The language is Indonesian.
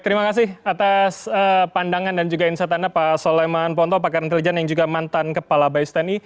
terima kasih atas pandangan dan juga insight anda pak soleman ponto pakar intelijen yang juga mantan kepala bais tni